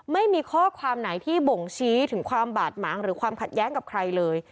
ไม่มีข้อความไหนที่บ่งชี้ถึงความบาดหมางหรือความขัดแย้งกับใครเลย